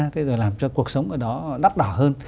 thế rồi làm cho cuộc sống ở đó đắt đỏ hơn